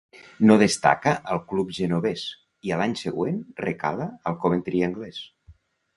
No destaca al club genovés, i a l'any següent recala al Coventry anglés.